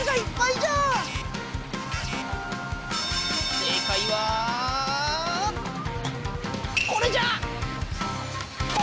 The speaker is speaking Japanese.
正解はこれじゃ！